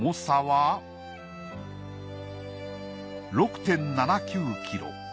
６．７９キロ。